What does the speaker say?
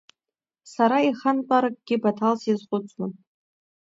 Сара иахантәаракгьы Баҭал сизхәыцуан…